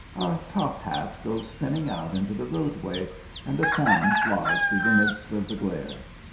A "top hat" goes spinning out into the roadway, and a fan flies through the midst of the glare.